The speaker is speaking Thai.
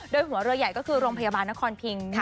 โดยหัวเรือใหญ่ก็คือโรงพยาบาลนครพิง